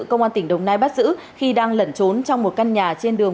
công an tỉnh đồng nai bắt giữ khi đang lẩn trốn trong một căn nhà trên đường